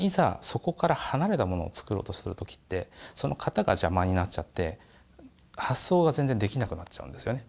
そこから離れたものを作ろうとする時ってその型が邪魔になっちゃって発想が全然できなくなっちゃうんですよね。